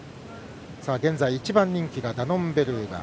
現在、１番人気がダノンベルーガ。